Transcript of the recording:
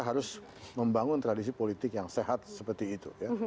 terus membangun tradisi politik yang sehat seperti itu ya